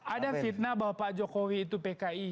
ada fitnah bahwa pak jokowi itu pki